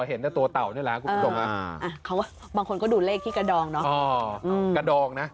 บางคนก็ดูเลขที่กระดอง